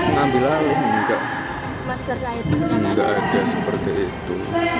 nanti lalu enggak enggak ada seperti itu